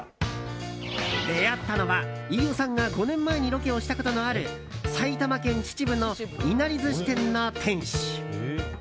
出会ったのは、飯尾さんが５年前にロケをしたことのある埼玉県秩父のいなり寿司店の店主。